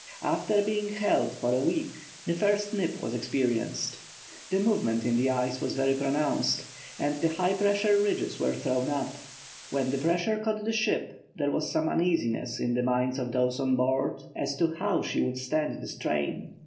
After being held for a week the first nip was experienced. The movement in the ice was very pronounced, and high pressure ridges were thrown up. When the pressure caught the ship there was some uneasiness in the minds of those on board as to how she would stand the strain.